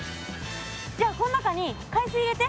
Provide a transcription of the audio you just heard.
じゃあこの中に海水入れて。